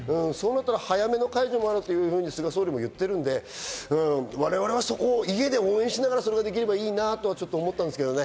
早めの解除もあると菅総理も言っているので我々はそこを家で応援しながらできればいいなと思ったんですけどね。